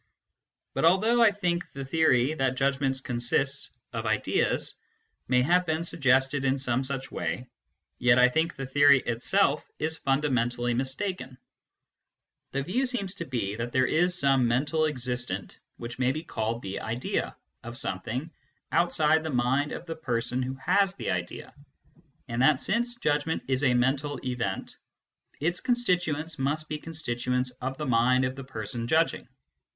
But although I think the theory that judgments consist of ideas may have been suggested in some such way, yet I think the theory itself is fundamentally mistaken. The 222 MYSTICISM AND LOGIC view seems to be that there is some mental existent which may be called the " idea " of something outside the mind of the person who has the idea, and that, since judgment is a mental event, its constituents must be constituents of the mind of the person judging.